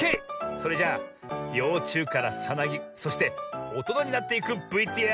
それじゃあようちゅうからさなぎそしておとなになっていくＶＴＲ。